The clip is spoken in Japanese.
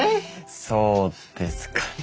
そうですかね。